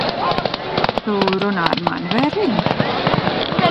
Tu runā ar mani vai ar viņu?